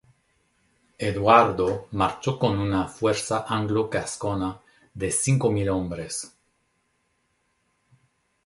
Eduardo marchó con una fuerza anglo-gascona de cinco mil hombres.